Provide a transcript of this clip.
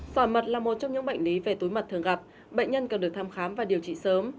sỏi mật là một trong những bệnh lý về túi mật thường gặp bệnh nhân cần được thăm khám và điều trị sớm